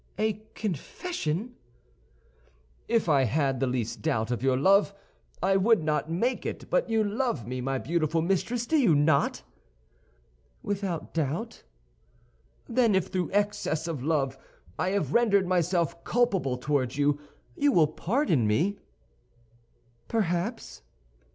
"A confession!" "If I had the least doubt of your love I would not make it, but you love me, my beautiful mistress, do you not?" "Without doubt." "Then if through excess of love I have rendered myself culpable toward you, you will pardon me?" "Perhaps."